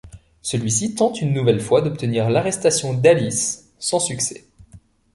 Celui-ci tente une nouvelle fois d'obtenir l'arrestation d'Alice, sans succès.